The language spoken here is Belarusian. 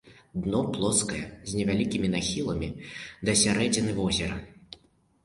Дно плоскае з невялікім нахілам да сярэдзіны возера.